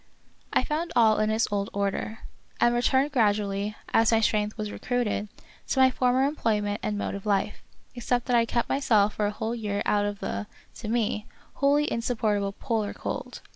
I found all in its old order, and returned gradually, as my strength was recruited, to my former employment and mode of life, except that I kept myself for a whole year out of the, to me, wholly insupportable polar cold.